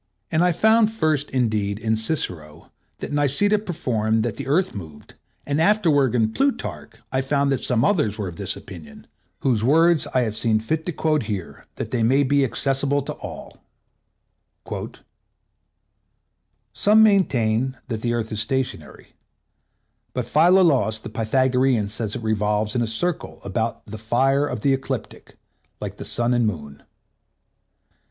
and I found first, indeed, in Cicero, that Niceta perceived that the Earth moved; and afterward in Plutarch I found that some others were of this opinion, whose words I have seen fit to quote here, that they may be accessible to all:—"Some maintain that the Earth is stationary, but Philolaus the Pythagorean says that it revolves in a circle about the fire of the ecliptic, like the sun and moon.